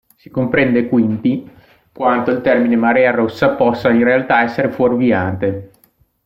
Si comprende quindi quanto il termine "marea rossa" possa in realtà essere fuorviante.